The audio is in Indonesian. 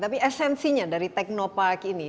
tapi esensinya dari teknopark ini